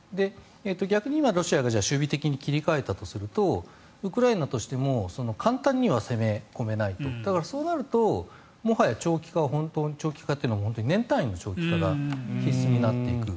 逆にロシアが守備的に切り替えたとするとウクライナとしても簡単には攻め込めないそうなるともう本当に年単位の長期化が必須になっていく。